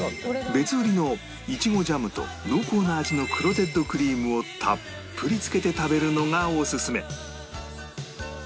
別売りのいちごジャムと濃厚な味のクロテッドクリームをたっぷりつけて食べるのがおすすめ